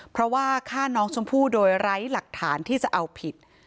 เพราะว่าฆ่าน้องชมพู่โดยไร้หลักฐานที่จะเอาผิด